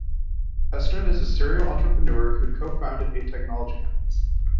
Estrin is a serial entrepreneur who co-founded eight technology companies.